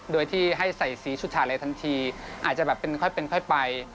โดยที่ให้ใส่สีฉูดฉาดในทันทีอาจจะค่อยไป